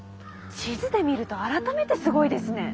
地図で見ると改めてすごいですね。